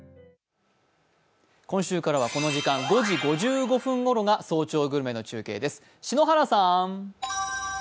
今週からは、この時間５時５５分ごろが「早朝グルメ」の時間です。